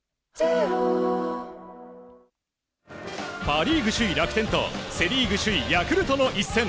パ・リーグ首位、楽天とセ・リーグ首位ヤクルトの一戦。